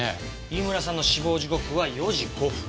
飯村さんの死亡時刻は４時５分。